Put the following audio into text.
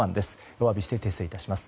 お詫びして訂正いたします。